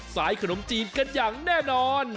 ขายขนมจีนกันอย่างแน่นอน